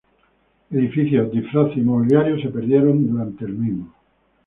Edificios, disfraces, y mobiliario se perdieron durante el mismo.